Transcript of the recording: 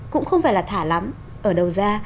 cũng không phải là thả lắm ở đầu ra